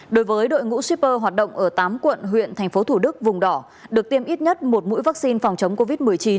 đối với đội ngũ shipper hoạt động ở tám quận huyện thành phố thủ đức vùng đỏ được tiêm ít nhất một mũi vaccine phòng chống covid một mươi chín